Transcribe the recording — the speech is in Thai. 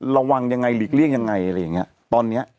ระวังยังไงหลีกเลี่ยงยังไงอะไรอย่างเงี้ยตอนเนี้ย